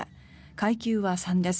階級は３です。